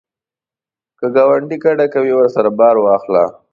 که ګاونډی کډه کوي، ورسره بار واخله